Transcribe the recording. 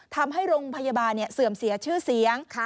ทำให้โรงพยาบาลเสื่อมเสียชื่อเสียง